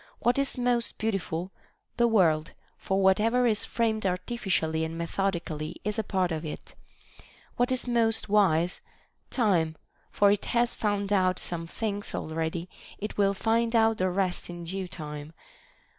What is most beautiful "? The world ; for whatever is framed artificially and methodically is a part of it. What is most wise \ Time ; for it has found out some things already, it will find out the rest in due time.